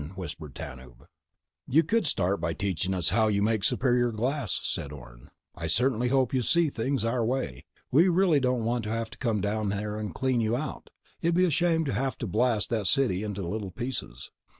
whispered Tanub. "You could start by teaching us how you make superior glass," said Orne. "I certainly hope you see things our way. We really don't want to have to come down there and clean you out. It'd be a shame to have to blast that city into little pieces."